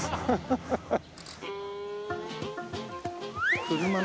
ハハハハ。